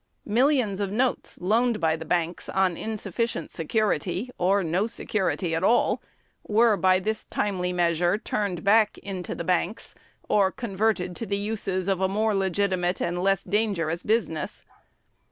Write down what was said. Millions of notes loaned by the banks on insufficient security or no security at all were by this timely measure turned back into the banks, or converted to the uses of a more legitimate and less dangerous business.